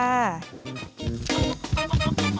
สวัสดีค่ะ